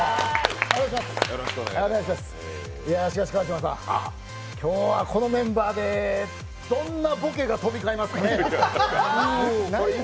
しかし川島さん、今日はこのメンバーでどんなボケが飛び交いますかね。